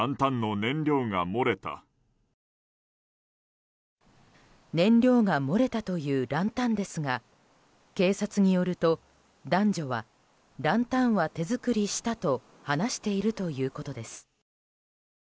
燃料が漏れたというランタンですが警察によると、男女はランタンは手作りしたと話しているということです。